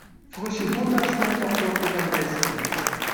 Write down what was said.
Frische Butter schmeckt doch wirklich am besten.